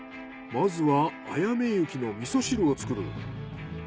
まずはあやめ雪の味噌汁を作る。